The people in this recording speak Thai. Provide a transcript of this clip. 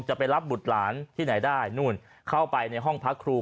จะไปรับบุตรหลานที่ไหนได้นู่นเข้าไปในห้องพักครู